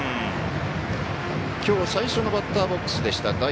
きょう最初のバッターボックスでした。